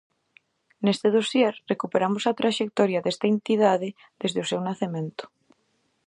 Neste dosier recuperamos a traxectoria desta entidade desde o seu nacemento.